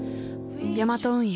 ヤマト運輸